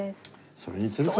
それにするか！